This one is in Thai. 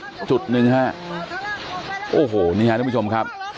แล้วน้ำซัดมาอีกละรอกนึงนะฮะจนในจุดหลังคาที่เขาไปเกาะอยู่เนี่ย